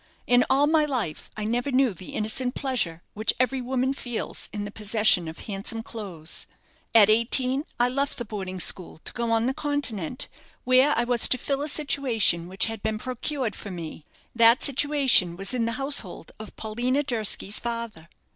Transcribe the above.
In all my life, I never knew the innocent pleasure which every woman feels in the possession of handsome clothes. "At eighteen, I left the boarding school to go on the Continent, where I was to fill a situation which had been procured for me. That situation was in the household of Paulina Durski's father.